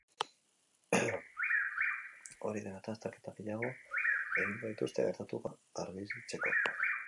Hori dela eta, azterketa gehiago egingo dituzte gertatutakoa argitzeko.